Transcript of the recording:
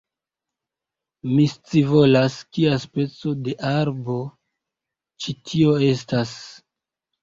Mi scivolas, kia speco de arbo, ĉi tio estas